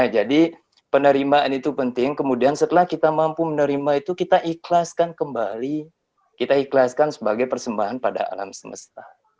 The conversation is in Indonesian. jadi penerimaan itu penting kemudian setelah kita mampu menerima itu kita ikhlaskan kembali kita ikhlaskan sebagai persembahan pada alam semesta